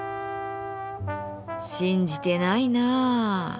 信じてないなあ。